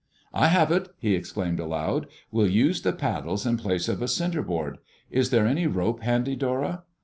"I have it!" he exclaimed aloud. "We'll use the paddles in place of a centerboard. Is there any rope handy, Dora?"